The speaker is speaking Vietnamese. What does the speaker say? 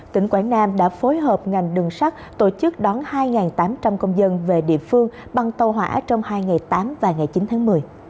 tỉnh quảng nam đã phối hợp ngành đường sắt tổ chức đón hai tám trăm linh công dân về địa phương bằng tàu hỏa trong hai ngày tám và ngày chín tháng một mươi